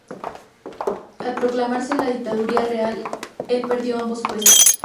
Al proclamarse la dictadura real el perdió ambos puestos.